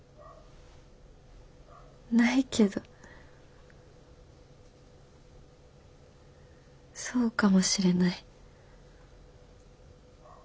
ないけどそうかもしれない。